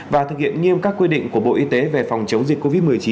và thực hiện nghiêm các quy định của bộ y tế về phòng chống dịch covid một mươi chín